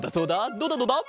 どうだどうだ？